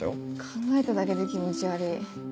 考えただけで気持ち悪ぃ。